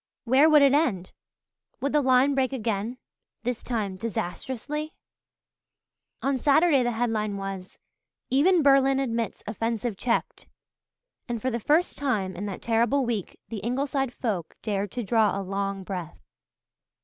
Where would it end? Would the line break again this time disastrously? On Saturday the headline was "Even Berlin Admits Offensive Checked," and for the first time in that terrible week the Ingleside folk dared to draw a long breath.